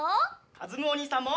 かずむおにいさんも！